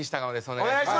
お願いします。